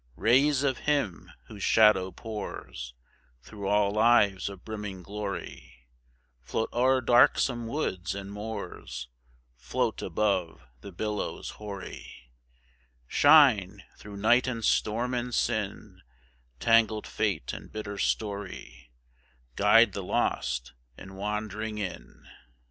"Rays of Him whose shadow pours Through all lives a brimming glory, Float o'er darksome woods and moors, Float above the billows hoary; Shine, through night and storm and sin, Tangled fate and bitter story, Guide the lost and wandering in!"